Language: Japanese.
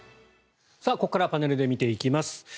ここからパネルで見ていきます。